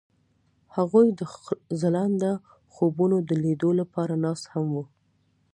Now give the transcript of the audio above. هغوی د ځلانده خوبونو د لیدلو لپاره ناست هم وو.